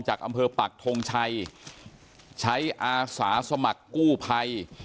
จากอำเภอปักทงชัยใช้อาสาสมัครกู้ภัย